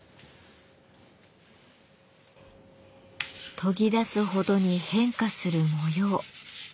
研ぎ出すほどに変化する模様。